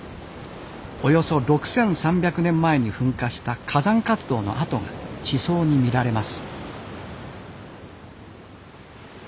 およそ６，３００年前に噴火した火山活動の跡が地層に見られます。